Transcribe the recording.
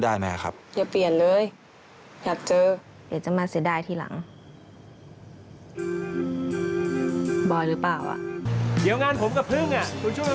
ถ้าให้ผมทำยังไง